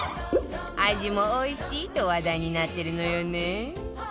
味もおいしいと話題になってるのよね